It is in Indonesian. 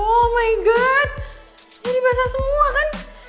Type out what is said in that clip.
oh my god jadi basah semua kan